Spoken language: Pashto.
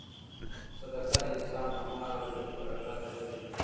صدقه د انسان په مال او ژوند کي برکت اچوي.